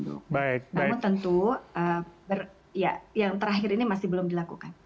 namun tentu yang terakhir ini masih belum dilakukan